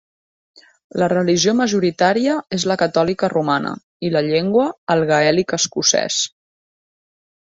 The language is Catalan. La religió majoritària és la catòlica romana, i la llengua el gaèlic escocès.